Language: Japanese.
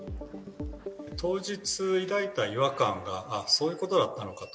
当日抱いた違和感が、あっ、そういうことだったのかと。